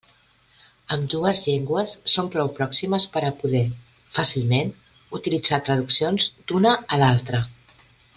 Ambdues llengües són prou pròximes per a poder, fàcilment, utilitzar traduccions d'una a l'altra.